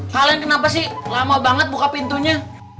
kalian kenapa sih lama banget buka pintunya